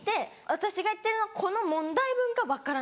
私が言ってるのはこの問題文が分からない。